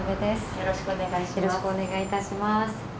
よろしくお願いします。